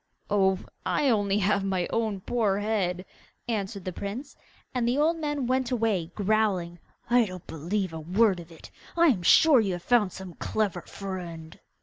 'Oh, I have only my own poor head,' answered the prince, and the old man went away growling, 'I don't believe a word of it! I am sure you have found some clever friend!